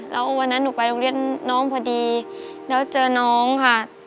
แล้ววันนั้นหนูไปโรงเรียนน้องพอดีแล้วเจอน้องค่ะ